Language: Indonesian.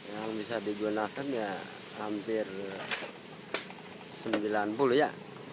yang bisa digunakan ya hampir sembilan puluh ya